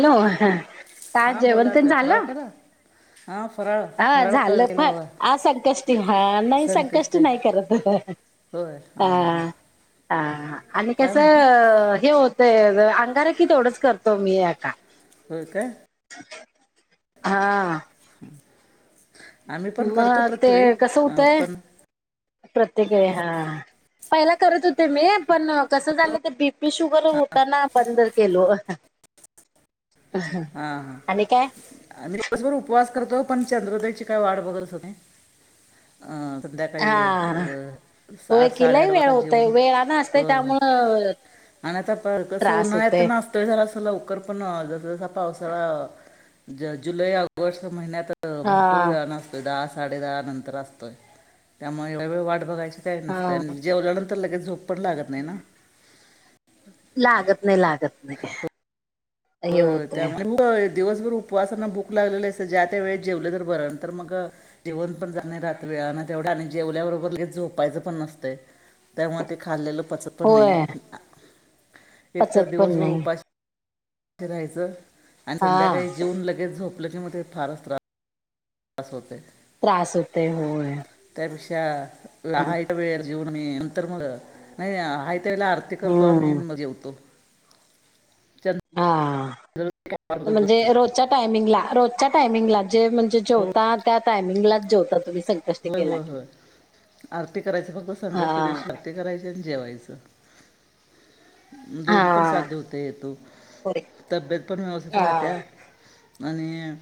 Hello काय जेवण तें न झालं. हा फराळ हा फराळ झालं फ करळला बगा. आ संकष्टी हा नाही संकष्टी हाय. नाही करत होय हा हां हां. हा आणि काय म्हणता कसं हे होतय अंगारा कि तेवढंच करतो मी आता. होय काय. हा.. आम्ही पण करतो मग ते प्रत्यवेेळी कसं अ होतंय पण... प्रत्येक हा पहिला करत होते मी पण कसं झालं ते बी पी शुगर होता ना बंद केलो. हा आणि काय हा मी दिवसभर उपवास तो पण चंद्रदेची काय वा बघल त संध्याकाळी हा अ होय आठ की लय साडेआठ वेळ वाजता होतय जेऊन वेळानं अ असतय त्यामुळं आणि आता कसं त्रास उन्हाळ्यात होतय नास्त झाला अस लव ल पण जसा पावसाळा जुलै या हा भरपूर वेळा न असतोय दहा साडे दहा नंतर असतोय त्यामुळे वेवेळ वाट बघायची काय नसतं हा आणि जेवल्यानंतर लगेच झोप पण लागत नाही ना लागत नाही लागत नाही हो हे त्या होतय दिवसभर उपवासाना भूक लाग अस ज्या त्या वे जेवलं जर बर तर मग जेवण पण जा ना तेवढा आणि जेवल्याबरोबर झोपायचं पण नसत त्यामुळे ते खाल्लेलं पचत पण होय नाही एकतर पचत पण दिवसभर नाही उपाशी अस राहायचं आणि हा संध्याकाळी जेवून लगेच झोपलं की मग ते फारच त्रास तास होते त्रास होते होय ष लहाय वेळ जीवन म नंतर मग नाही त्याला आरती करतो हम्म आमहीन मग जेवतो चंद हा म्हणजे रोजच्या टायमिंगला रोजच्या टायमिंगला जे म्हणजे हो जेवता त्या टायमिंगला जेवता तुम्ही संक होय केला होय की होय आरती करायच फक्त हा संकष्ट दिवशी आरती करायची आणि जेवायचं दोन्ही पण हा साध्य होते येतो तब्येत पण व्यवस्ित हा राहट्या आणि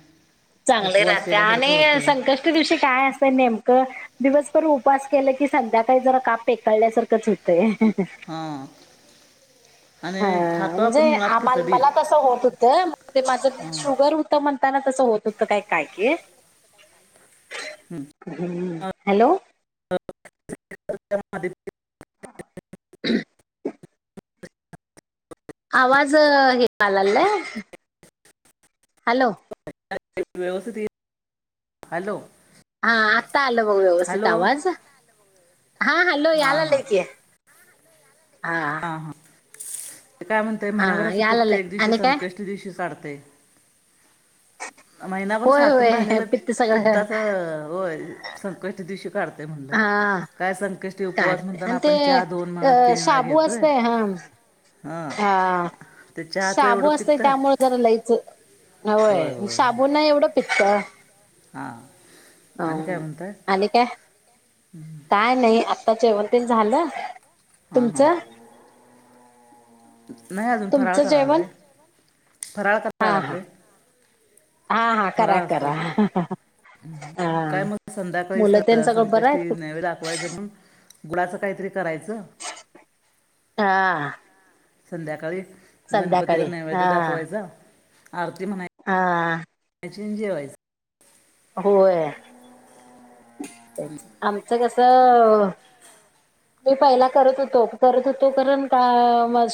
चांगले उपवास राहते केल्यासारखं आणि होतंय संकष्टी दिवशी काय असतं नेम दिवसभर उपास केलं की संध्याकाळी जरा काप फेकळल्यासारखंच होतंय हा हा म्हणजे आम खिचडी मला तसं होत होतं ते माझ हं. शुगर होत म्हण ता तस होत हो काय काय किम हॅलो मा ह आवाज हेलालय हॅलो व्यवस् हॅलो हा आता आलं मघ व्यवस्थित हॅलो आवाज हा हॅलो हां याला आ हां लले की हा हां हां काय म्हणतय हा म्हहि्यावरच पिकतं यालाय एक दिवशी आणि काय संकष्ट ते दिवशी साढते महिनावरर होय साठून होय राहिलेलं पित्त सगळं पित्ताच हो संकष्ट दिव श करते म्हणलं हा काय संकष्टी उपवास काढते म्हणताना आणि ते आपण चहा दोन म्हणा अ तीन वेळा शाबू घेतोय असतय हा हां हा ते चहाचं एवढं साबू असतय पित्त त्यामुळे जरा लयचं होय साबुण ना एवढं प्त हां अ आणि काय म्हणताय आ काय काय नाही आता जेव ते झालं हा हा तुमचं नाही अजून फराळ तुमचं कराय जेवण लागले फराळ हा कराय हा लागले हा हा करा फराळ असतं करा हा काय मला संध्याकाळी मुलं तेन सगळं बरं संकष्टी आहेत नवे दाखवायचं मून गुळाचं काहीतरी करायचं हा संध्याकाळी गणपतीला संध्याकाळी नैवेद्य हा दाखवायचा आरती म्हणाय हा ज होय. ते आमचं कसं. मी पहिला करत होतो करत होतो कारण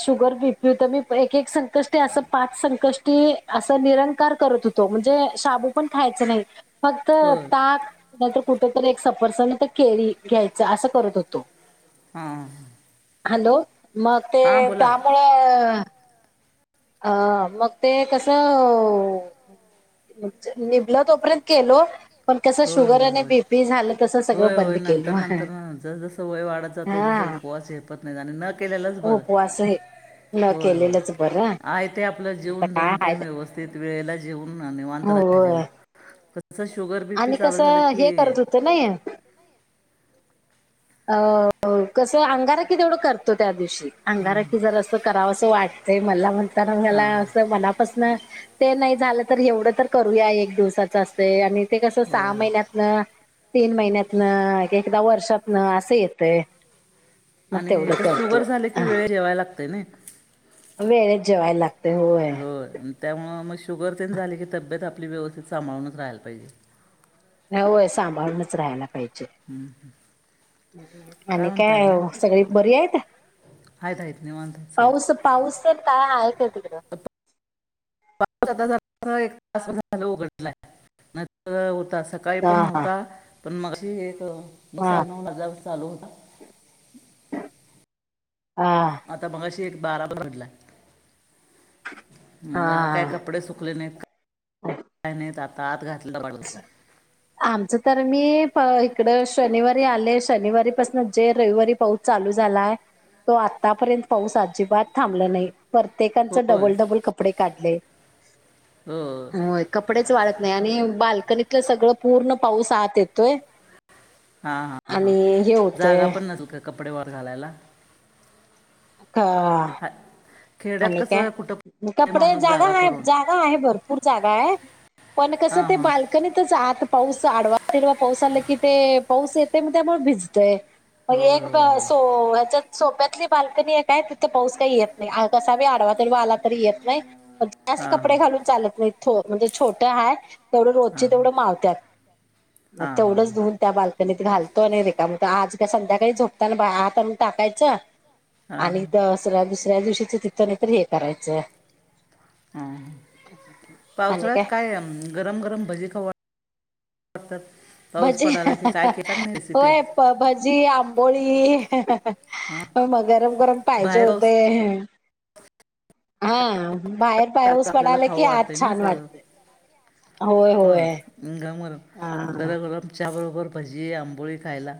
शुगर पी पी तर मी एक एक संक अस पाच संकष्टी अस निरंकार करत होतो म्हणजे शबू पण खायच नाही. फक्त होय ताक नंतर कुठेतरी एक सफरसण तर केरी घ्यायच असं करत होतो. हा. हॅलो मग ते त्यामुळे अ मग ते कसं. निभलं तोपर्यंत केलो. पण कसं होय शुगर होय आणि होय बीपी झालं तस सगळं होय होय बंद केल नंतर हा. च पत नाही न केले लच बर. ल केलेलंच बर. ते आपलं जेवन दोन टाईम व्यवस्थित वेळेला जेव वांत होय रा शुर आणि कसं हे करत होत नाही. अ कसं अंगारा क तेवढं करतो त्या दिवशी हां अंगार क जर असं कराव. असं वाटते मला म्हणताना मला हां असं मनापासून ते नाही झालं तर एवढं तर करूया एक दिवसाच असे आणि ते कस सहा होय होय महिन्या तीन महिन्यात एकदा वर्षात ना असं येतय. मग आणि तेवढं ए करतो शुगर झाले की वेळ घवाय लागतय ना. अम एने जय लाग. हो. त्यामुळं मग शुगर तेण झाले की तब्येत आपली व्यवस्थित सांभाळूनच राहायला पाहिजे. होय सांभाळूनच राहायला काही. आणि म्हणताय काय आणि सगळी बरी आहे का? आहेत आहेत निवांत आहेत सगळे. पाऊस पाऊस तरल काय आहे का तडं. आता तास झालं उघडला न. नवता सकाळी पण हा नवतता पण मगशी एक हा बसाळ न अा मसालो होता. हा. आता मग एक बारा ब बडला. मग हा काय हा कपडे सुकले नाही काय नाही आता आत घात. अ् आमचं तर मी इकड शनिवारी आले शनिवारी पाासून जे रविवारी पाऊस चालू झालाय. तो आतापर्यंत पाऊस अजिबात थांबला नाही. प्रत्येकांच होय डबल डबल कपडे काढले. हो होय कपडेच वाढत नाही आणि बाल्कनीतलं सगळं पूर्ण पाऊस आहत येतोय. हा हा हा आणि हे जागा होतय पण नसल का कपडे वर घालायला. अ का? हा खेड्यात आणि काय कसं कुठं आहे कपडे माणूस जागा आहे करून जागा आहे भरपूर जागा आहे. पण कसं हां ते हां बालकनीतच आत पाऊस आडवा तेिडवा पाऊस आला की ते पाऊस येते मग त्यामुळे भिजतय. मग होय एक होय होय सो याच्यात सोप्यातली बालकनी एक आहे तिथे पाऊस काही येत नाही. कसा मी आडवा तरी आला तरी येत नाही जास्त हां हां कपडे घालून चालत नाही. म्हणजे छोटे हा तेवढे हां रोजचे हां तेवढे मावत्यात. मग हां हां तेवढंच धुऊन त्या बालकनीत घालतो आणि रे का मग आज संध्याकाळी झोपताना बा आत आण टाकायचं हां आणि हां दसऱ्या दुसऱ्या दिवशीच तिथं नाही तर हे करायचंय. ह पावसाळ्यात काय गरम गरम भजी खा.. सतत. भजी होय प भजी आंबोळी हां मग गरम गरम पाहिजे बाहेर पाऊस होते हा बाहेर पाऊस पडला आपल्याला पडाला की आज छान वाटते. होय हो होय गा गरम हा गरम बरोबर भजी आंबोळी. खायला.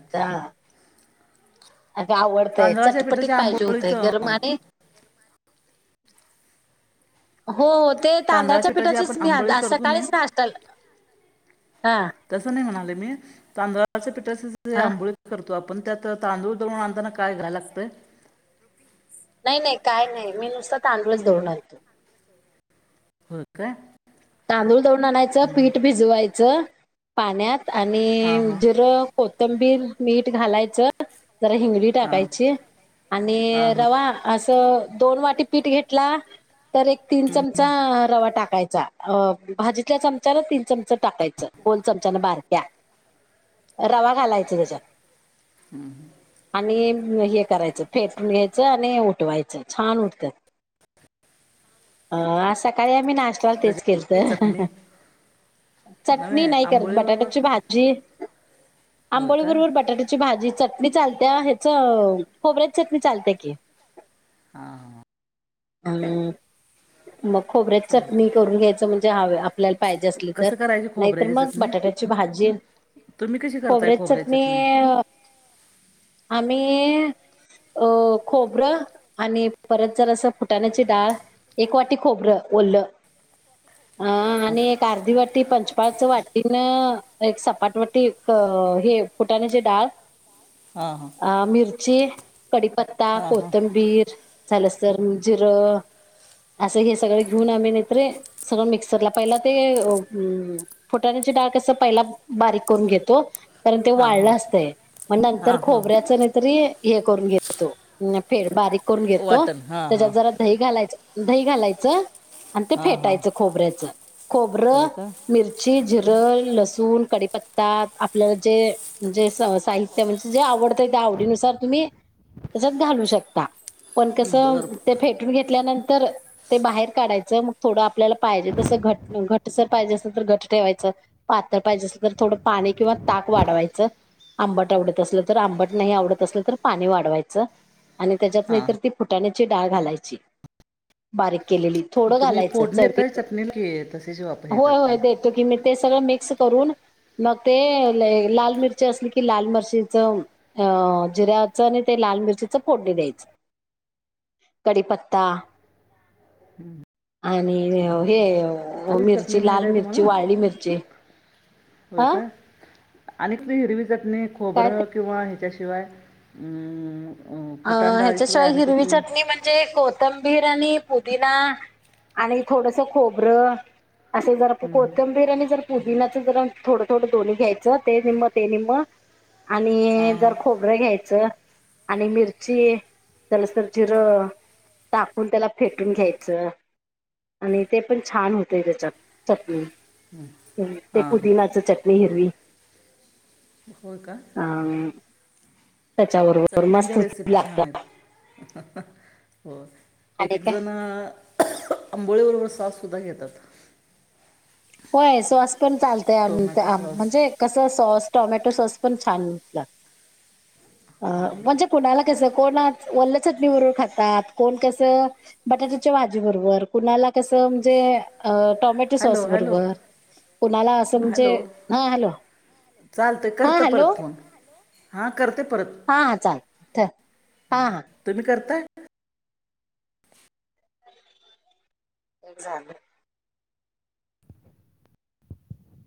अता आवडतय तांदळाच्या चटपटीत पिठाच्या पाहिजे होतय आंबोळीचं गरम आणि हो हो. ते तांदळाच्या पिठाची आपण पिठाचेच मी सकाळीच नाष्टाला. तस नाही म्हणाले मी तांदळाच्या पिठाचे हा आंबोळी करतो. आपण त्यात तांदूळ दळून आणताना काय घ्यायला लागतय. नाही नाही काय नाही मी नुसत तांदूळच दडणार आणतो. हो का. तांदूळ दळुन आणायचं पीठ भिजवायचं पाण्यात. हां आणि हां जिर, कोथंबीर, मीठ घालायचं. जरा हिंगडी हां टाकायची हां आणि हां रवा अस दोन वाटी पीठ घेतला तर एक तीन चमचा रवा टाकायचा. अ भाजीतल्या चमचाला तीन चमच टाकायचं दोन चमचा बार. रवा घालायच त्याच्यात. हम्म. आणि हे करायचं फेटून घ्यायचं आणि उठवायचं छान उठतात. अ आज सकाळी आम्ही नाष्टयाला तेच त्याच्यात केलंत. चटणी नव्हे चटणी नाही करत आंबोळीबरोबर बटाट्याची भाजी. होय आंबोळी काय बरोबर बटाट्याची भाजी. चटणी चालत ह्याच खोबऱ्यात चटणी चालते की. हा हा. हम्म मग खोबर्या चालते चटणी करून घ्यायचं म्हणजे हवे. आपल्याला पाहिजे असले तर कसं करायची नाहीतर खोबऱ्याची मग चटणी बटाट्याची भाजी तुम्ही कशी करताय खोबऱ्याची खोबऱ्या चटणी चटण्या? आम्ही. अ खोबरं आणि परत जर असं फुटाण्याची डाळ एक वाटी खोबरं. ओल. हछा [unintelligible] अ आणि एक अर्धी वाटी पंचपाळच वाटीनं एक सपाटवाटी हे फुटाणेचे डाळ. हा. अ मिर ची कडीपत्ता, हां हां कोथंबीर, झालंसर जिरं. असं हे सगळं घेऊन आम्ही नेत्रे. सगळं मिक्सरला पहिला ते फुटाण्याची डाळ कस पहिला बारीक करून घेतो. कारण ते हां वाढलं असतंय मग नंतर हां हां हां खोबऱ्याच नाहीतरी हे करून घेत. तो फेड बारीक करून घेतो वाटण हां त्याच्यात हां जरा दही घालायचं. दही घालायचं आणि ते हां हां फेटायचं खोबऱ्याच खोबरं, होय का मिरची, जिर लसूण, कडीपता आपल्याला जेे साहित्य म्हणजे जे आवडत. आवडीनुसार तुम्ही त्याचत घालू शकता. पण कसं बरं ते बरं फेटून घेतल्यानंतर ते बाहेर काढायचं मग थोडं-' आपल्याला पाहिजे तस घट घटसर पाहिजे असेल तर घट ठेवायचं पातळ पाहिजे असेल तर थोडं पाणी किंवा ताक वाढवायचं आंबट आवडत असलं तर आंबट नाही आवडत असलं तर पाणी वाढवायचं. आणि त्याच्यात नाहीतर हां ती फुटाण्याची डाळ घालायची बारीक थोडं तुम्ही घालायचं फोडणी येताय चवीपुरतं चटणीला की तसेच वापर हे होय होय करताय देतो तुम्ही ते सगळं मिक्स करून मग ते लाल मिरची असली की लाल मिरशीच जिऱ्याच आणि लाल मिरचीच फोडणी द्यायचं. [inaudible] कडीपत्ता आणि हे आणि ही चटणी मिरची माहीत लाल आहे मिरची, तुम्हाला वाळली मिरची. होय हा का आणि हिरवी चटणी काय ते खोबरं किंवा हच्याशिवाय अ ह्याच्याशिवाय हिरवी चटणी म्हणजे कोथिंबीर आणि पुदिना आणि थोडस खोबरं. असे जर कोथिंबीर नी जरा पुदिना. ज थोडं थोडं दोन्ही घ्यायचं ते निम्म ते निम्म. हां आणि जर हां खोबरं घ्यायचं आणि मिर लसर जिरं टाकुन त्याला फेटून घ्यायचं. आणि ते पण छान होतेय त्याच्या चटणी. हम् ते हां पुदिनाच चटणी हिरवी. हो का. अ त्याच्याबरोबर मस्त चटण्यांच्या रेसिपी छान लागतात. आहेत [inaudible] हो एक एक काय जण आंबोळी बरोबर साॅस सुद्धा घेतात होय सॉस पण चालतय टोमॅटो सॉस म्हणजे कस सॉस टमॅटो. [unintelligible] छान लागत म्हणजे कोणाला कसं. कोण वल्या चटणी बरोबर खातात. कोण कसं बटाट्याच्या भाजी बरोबर कुणाला कसं म्हणजे टॉमेटो सॉस हॅलो हॅलो बरोबर कुणाला असं म्हणजे हा हॅलो चालत हा करते हॅलो परत फोन. हां करते परत. हा हा चाल हा हा तुम्ही करताय? एक्झाम